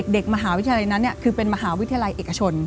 เด็กมหาวิทยาลัยนั้นคือเป็นมหาวิทยาลัยเอกชน